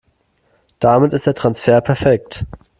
Damit ist der Transfer perfekt.